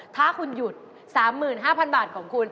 ถ้าคุณหยุด๓๕๐๐บาทของคุณ